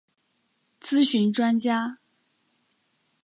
咨询专家